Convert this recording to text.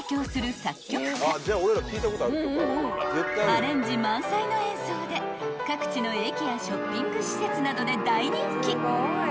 ［アレンジ満載の演奏で各地の駅やショッピング施設などで大人気］